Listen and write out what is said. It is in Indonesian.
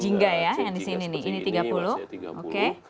jingga ya yang di sini nih ini tiga puluh